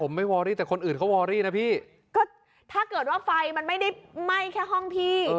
ผมไม่วอรี่แต่คนอื่นเขาวอรี่นะพี่ก็ถ้าเกิดว่าไฟมันไม่ได้ไหม้แค่ห้องพี่